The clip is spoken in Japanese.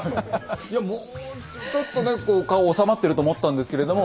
いやもうちょっとねこう顔収まってると思ったんですけれども